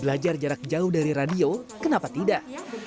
belajar jarak jauh dari radio kenapa tidak